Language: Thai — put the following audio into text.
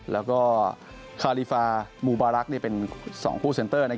แล้วก็คาริฟามูบารักษ์เป็น๒คู่เซ็นเตอร์